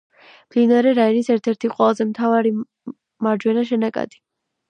მდინარე რაინის ერთ-ერთი ყველაზე მთავარი მარჯვენა შენაკადი.